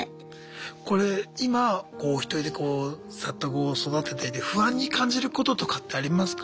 これ今おひとりでこう里子を育てていて不安に感じることとかってありますか？